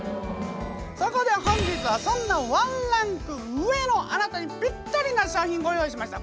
そこで本日はそんなワンランク上のあなたにぴったりな商品ご用意しました。